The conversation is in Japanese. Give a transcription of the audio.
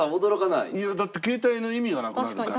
いやだって携帯の意味がなくなるから。